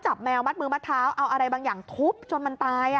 แมวมัดมือมัดเท้าเอาอะไรบางอย่างทุบจนมันตาย